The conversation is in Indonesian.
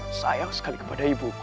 aku sangat sayang sekali kepada ibuku